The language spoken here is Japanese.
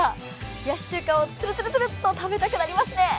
冷やし中華をつるつるっと食べたいですね。